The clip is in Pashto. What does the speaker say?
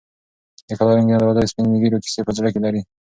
د کلا لرګینه دروازه د سپین ږیرو کیسې په زړه کې لري.